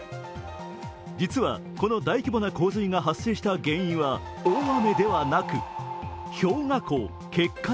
実はこの大規模な洪水が発生した原因は大雨ではなく氷河湖決壊